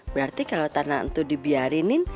berarti kalau tanah itu dibiarinin